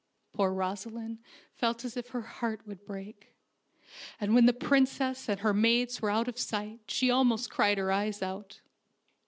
Poor Rosaleen felt as if her heart would break, and when the princess and her maids were out of sight she almost cried her eyes out.